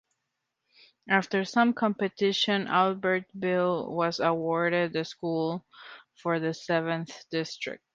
After some competition, Albertville was awarded the school for the Seventh District.